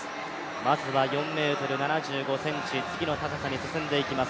まずは４ｍ７５ｃｍ、次の高さに進んでいきます。